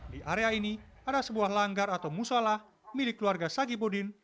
di area ini ada sebuah langgar atau musola milik keluarga sagibudin